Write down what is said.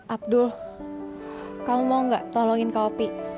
abdul kamu mau gak tolongin kak opi